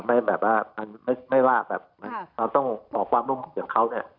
ไม่แบบว่าไม่ไม่ว่าแบบครับเราต้องขอความร่วมอย่างเขาเนี้ย